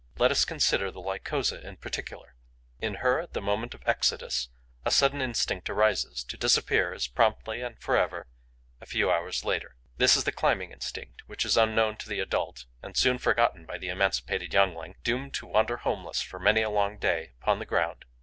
Let us consider the Lycosa in particular. In her, at the moment of the exodus, a sudden instinct arises, to disappear, as promptly and for ever, a few hours later. This is the climbing instinct, which is unknown to the adult and soon forgotten by the emancipated youngling, doomed to wander homeless, for many a long day, upon the ground.